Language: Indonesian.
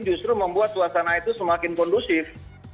justru membuat suasana itu semakin kondusif